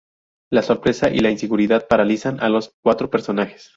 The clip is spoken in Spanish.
La sorpresa y la inseguridad paralizan a los cuatro personajes.